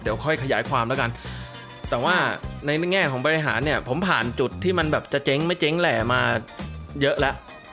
เดี๋ยวค่อยขยายความแล้วกันแต่ว่าในแง่ของบริหารเนี่ยผมผ่านจุดที่มันแบบจะเจ๊งไม่เจ๊งแหล่มาเยอะแล้ว